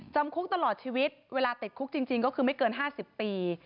จำคุกตลอดชีวิตเวลาติดคุกจริงก็คือไม่เกิน๕๐ปี